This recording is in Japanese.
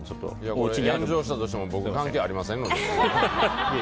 炎上したとしても僕、関係ありませんので。